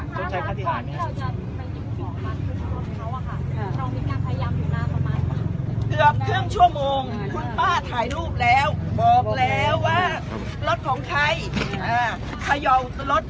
เกือบครึ่งชั่วโมงคุณป้าถ่ายรูปแล้วบอกแล้วว่ารถของใคร